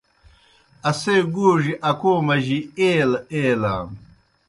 اسے گوڙیْ اکو مجیْ ایلہ ایلان۔